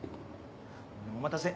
お待たせ。